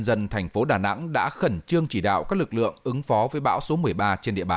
dân thành phố đà nẵng đã khẩn trương chỉ đạo các lực lượng ứng phó với bão số một mươi ba trên địa bàn